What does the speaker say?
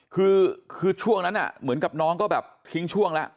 คือช่วงนั้นเหมือนกับน้องก็แบบทิ้งช่วงแล้ว